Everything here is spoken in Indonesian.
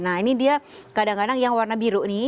nah ini dia kadang kadang yang warna biru nih